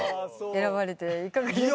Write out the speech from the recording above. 選ばれていかがでしたか？